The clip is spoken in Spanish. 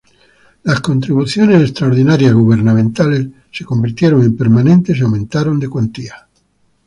Las contribuciones extraordinarias gubernamentales se convirtieron en permanentes y aumentaron de cuantía.